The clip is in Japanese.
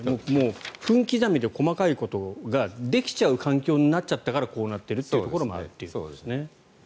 分刻みで細かいことができちゃう環境になっちゃったからこうなっているところもあると。